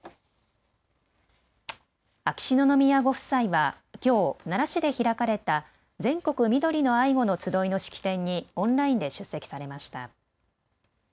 秋篠宮ご夫妻はきょう奈良市で開かれた全国みどりの愛護のつどいの式典にオンラインで出席されました。